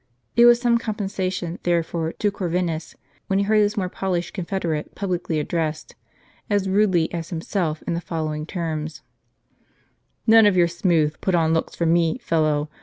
It was some compensa tion, therefore, to Corvinus, when he heard his more polished confederate publicly addressed, as rudely as himself, in the following terms : "None of your smooth, put on looks for me, fellow.